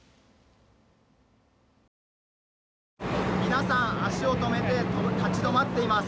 皆さん足を止めて立ち止まっています。